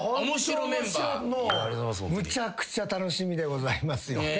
むちゃくちゃ楽しみでございますよ。